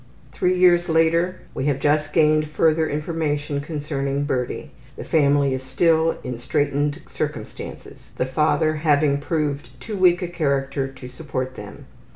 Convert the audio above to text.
Three years later: We have just gained further information concerning Birdie. The family is still in straitened circumstances, the father having proved too weak a character to support them.